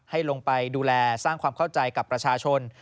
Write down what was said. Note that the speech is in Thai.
ลงไปดูแลสร้างความเข้าใจกับประชาชน